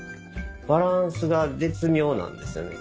バランスが絶妙なんですよね。